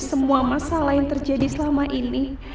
semua masalah yang terjadi selama ini